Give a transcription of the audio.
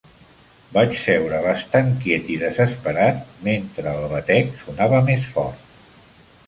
Vaig seure bastant quiet i desesperat mentre el batec sonava més fort.